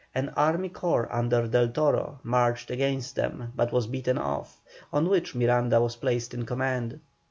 An army corps under Del Toro marched against them, but was beaten off, on which Miranda was placed in command.